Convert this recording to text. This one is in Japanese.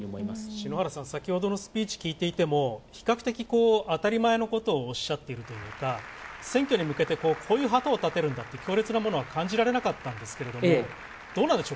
篠原さん、先ほどのスピーチを聞いていても比較的当たり前のことをおっしゃっているというか選挙に向けて、強烈なものは感じられなかったんですけど、どうなんでしょう？